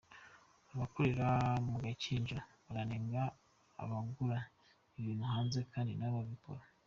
Abakorera mu Gakinjiro baranenga abagura ibintu hanze kandi na bo babikora